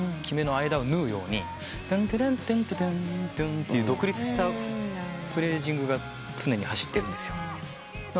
決めの間を縫うように「テンテテン」っていう独立したフレージングが常に走ってるんですよ。